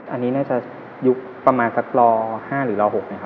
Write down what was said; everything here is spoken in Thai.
อันนี้น่าจะยุคประมาณรอ๕๖ปี